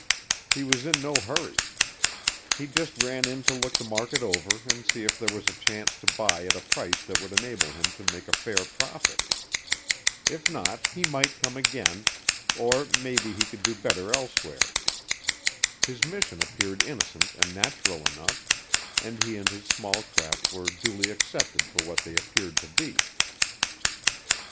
He was in no hurry. He just ran in to look the market over and see if there was a chance to buy at a price that would enable him to make a fair profit. If not, he might come again, or may be he could do better elsewhere. His mission appeared innocent and natural enough and he and his small craft were duly accepted for what they appeared to be.